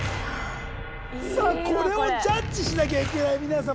さあこれをジャッジしなきゃいけない皆様